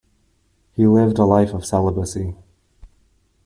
He lived a life of celibacy.